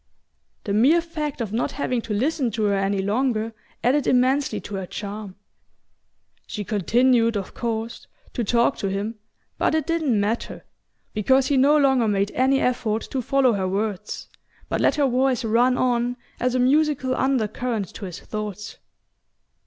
The mere fact of not having to listen to her any longer added immensely to her charm. She continued, of course, to talk to him, but it didn't matter, because he no longer made any effort to follow her words, but let her voice run on as a musical undercurrent to his thoughts.